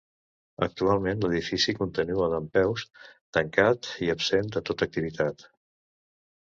Actualment, l'edifici continua dempeus, tancat i absent de tota activitat.